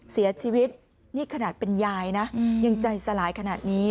เสียชีวิตนี่ขนาดเป็นยายนะยังใจสลายขนาดนี้